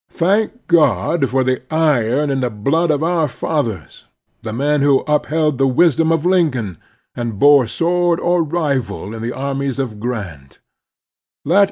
Thank God for the iron in the blood of our fathers, the men who upheld the wisdom of Lincoln, and bore sword or rifle in the armies of Grant I Let!